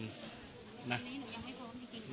ตอนนี้หนูยังไม่พร้อมจริง